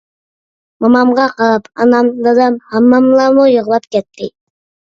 مومامغا قاراپ ئانام، دادام، ھامماملارمۇ يىغلاپ كەتتى.